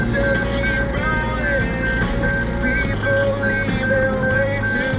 สวัสดีครับที่ได้รับความรักของคุณ